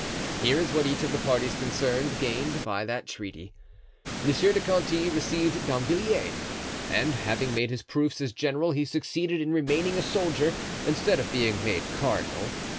Here is what each of the parties concerned gained by that treaty: Monsieur de Conti received Damvilliers, and having made his proofs as general, he succeeded in remaining a soldier, instead of being made cardinal.